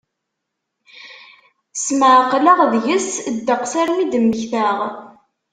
Smeɛqleɣ deg-s ddeqs armi i d-mmektaɣ.